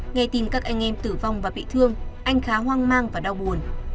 nghe tin các anh em tử vong và bị thương anh khá hoang mang và đau buồn